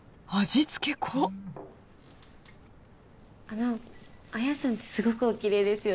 あの彩さんってすごくおきれいですよね。